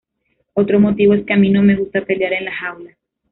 Otro motivo es que a mí no me gusta pelear en la jaula.